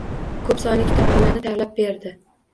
Koʻp sonli kitobxonlarni tayyorlab berdi.